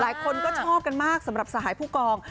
หลายคนก็ชอบกันมากสำหรับสหายผู้กอง